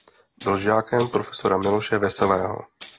Byl žákem profesora Miloše Veselého.